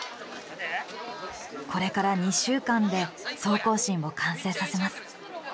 これから２週間で総行進を完成させます。